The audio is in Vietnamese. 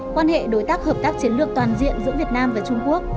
quan hệ đối tác hợp tác chiến lược toàn diện giữa việt nam và trung quốc